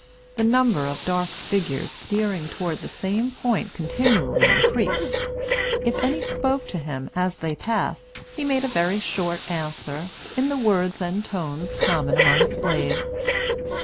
The number of dark figures steering toward the same point continually increased. If any spoke to him as they passed, he made a very short answer, in the words and tones common among slaves.